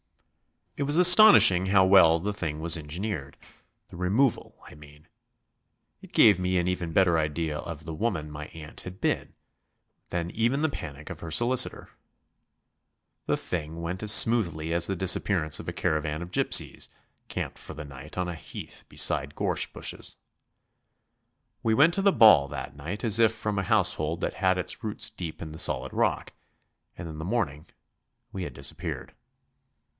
It was astonishing how well the thing was engineered; the removal, I mean. It gave me an even better idea of the woman my aunt had been than even the panic of her solicitor. The thing went as smoothly as the disappearance of a caravan of gypsies, camped for the night on a heath beside gorse bushes. We went to the ball that night as if from a household that had its roots deep in the solid rock, and in the morning we had disappeared.